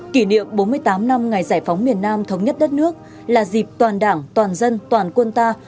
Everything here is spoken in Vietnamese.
kỷ niệm bốn mươi tám năm ngày giải phóng miền nam thống nhất đất nước là dịp toàn đảng toàn dân toàn quân ta